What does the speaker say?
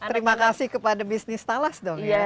terima kasih kepada bisnis talas dong ya